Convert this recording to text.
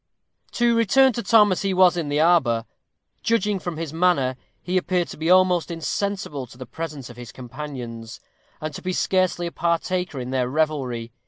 To return to Tom as he was in the arbor. Judging from his manner, he appeared to be almost insensible to the presence of his companions, and to be scarcely a partaker in their revelry.